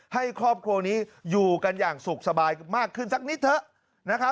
ให้ครอบครัวนี้อยู่กันอย่างสุขสบายมากขึ้นสักนิดเถอะนะครับ